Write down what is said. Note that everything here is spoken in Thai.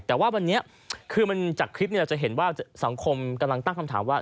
แต่ว่าวันนี้คือจากคลิปเราจะเห็นว่าสังคมกำลังตั้งคำถามว่า